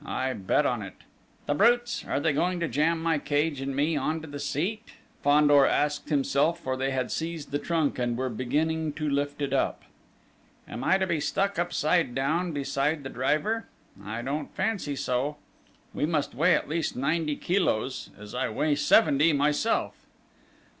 I bet on it!..." "The brutes! Are they going to jam my cage and me on to the seat?" Fandor asked himself, for they had seized the trunk and were beginning to lift it up. ... "Am I to be stuck upside down beside the driver? I don't fancy so!... We must weigh at least ninety kilos, as I weigh seventy myself!"